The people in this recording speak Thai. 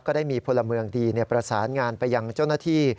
ได้มีพลเมืองดีประสานงานไปยังเจ้าหน้าที่